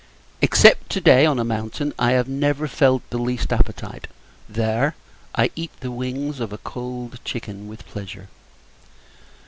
Except to day, on a mountain, I have never felt the least appetite; there, I eat the wings of a cold chicken with pleasure.